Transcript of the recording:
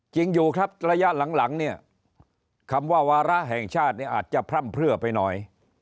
จริงอยู่ครับระยะหลังเนี่ยคำว่าวาระแห่งชาติเนี่ยอาจจะพร่ำเพื่อไปหน่อย